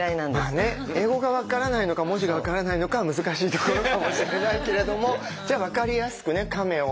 まあね英語が分からないのか文字が分からないのかは難しいところかもしれないけれどもじゃあ分かりやすくね亀を。